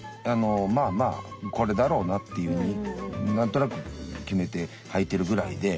まあまあこれだろうなっていうふうに何となく決めてはいてるぐらいで。